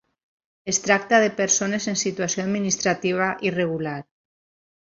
Es tracta de persones en situació administrativa irregular.